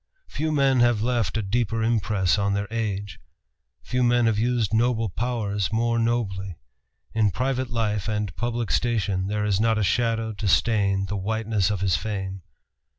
Few men have left a deeper impress on their age. Few men have used noble powers more nobly. In private life and public station there is not a shadow to stain the whiteness of his fame.